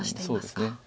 そうですね。